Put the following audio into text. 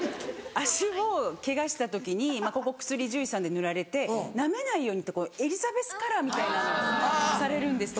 足をケガした時にまぁここ薬獣医さんで塗られてなめないようにってこうエリザベスカラーみたいなのされるんです。